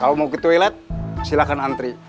kalau mau ke toilet silahkan antri